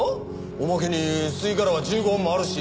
おまけに吸い殻は１５本もあるし。